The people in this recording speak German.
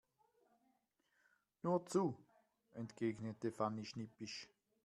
Nur zu, entgegnet Fanny schnippisch.